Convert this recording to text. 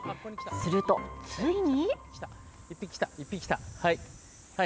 すると、ついに。